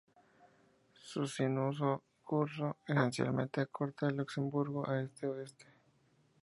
Su sinuoso curso esencialmente corta Luxemburgo de este a oeste.